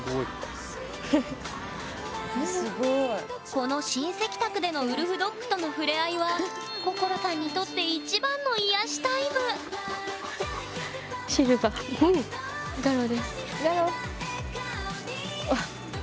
この親戚宅でのウルフドッグとの触れ合いは心さんにとって一番のガロ。